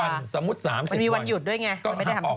อะไรก็ได้ขึ้นเหอะ